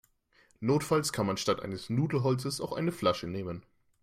Notfalls kann man statt eines Nudelholzes auch eine Flasche nehmen.